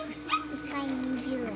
１回２０円。